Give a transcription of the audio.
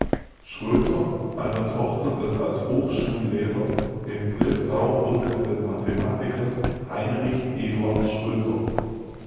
Schröter, einer Tochter des als Hochschullehrer in Breslau wirkenden Mathematikers Heinrich Eduard Schröter.